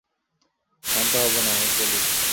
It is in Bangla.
শান্ত হব না, আমি পোলিশ।